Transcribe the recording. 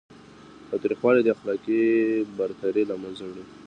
تاوتریخوالی اخلاقي برتري له منځه وړي.